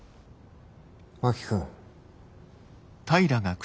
真木君。